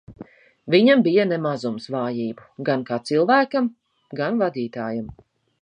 Viņam bija ne mazums vājību - gan kā cilvēkam, gan vadītājam.